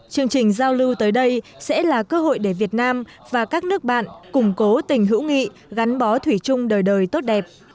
chương trình giao lưu tới đây sẽ là cơ hội để việt nam và các nước bạn củng cố tình hữu nghị gắn bó thủy chung đời đời tốt đẹp